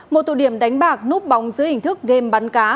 một tụ điểm đánh bạc núp bóng dưới hình thức game bắn cá